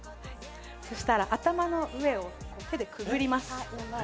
そしたら頭の上をこう手でくぐります。